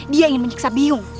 dia ingin menyiksa biung